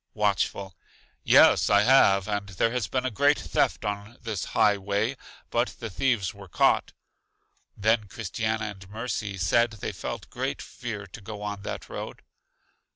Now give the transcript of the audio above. Watchful: Yes, I have, and there has been a great theft on this high way; but the thieves were caught. Then Christiana and Mercy said they felt great fear to go on that road.